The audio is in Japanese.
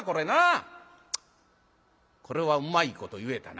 これはうまいこと言えたな。